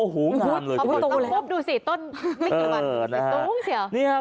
ตูแล้วเดี๋ยวจะตูแล้ว